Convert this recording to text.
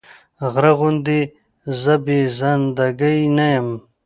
غره غوندې دې زه بې زنده ګي نه يم